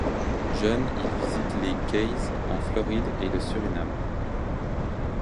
Jeune il visite les Keys en Floride et le Suriname.